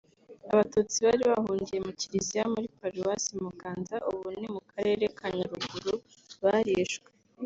Abatutsi bari bahungiye mu Kiliziya muri paruwasi Muganza (ubu ni mu karere ka Nyaruguru) barishwe